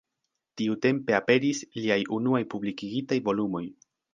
Tiutempe aperis liaj unuaj publikigitaj volumoj.